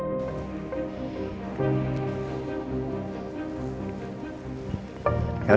terima kasih ya bel